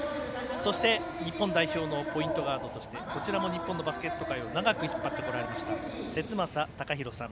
そして、日本代表のポイントガードとしてこちらも日本のバスケット界を長く引っ張ってこられました節政貴弘さん。